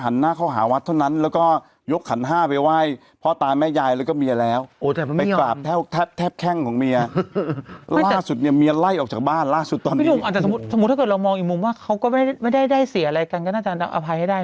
ออกจากบ้านล่าสุดตอนนี้ไม่รู้อาจจะสมมุติสมมุติถ้าเกิดเรามองอีกมุมว่าเขาก็ไม่ได้ไม่ได้ได้เสียอะไรกันก็น่าจะอภัยให้ได้